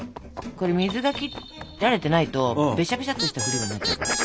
これ水が切られてないとベシャベシャッとしたクリームになっちゃうから。